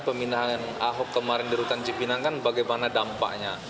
pemindahan ahok kemarin di rutan cipinang kan bagaimana dampaknya